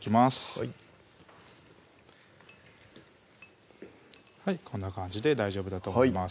はいこんな感じで大丈夫だと思います